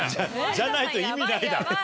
じゃないと意味ないだろ。